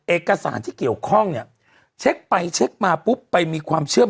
เอกสารที่เกี่ยวข้องเนี่ยเช็คไปเช็คมาปุ๊บไปมีความเชื่อม